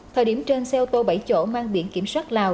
thời điểm trên xe ô tô bảy chỗ mang biển kiểm soát lào